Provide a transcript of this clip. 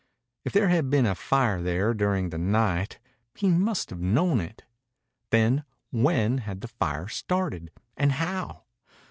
If there had been a fire there during the night he must have known it. Then when had the fire started? And how?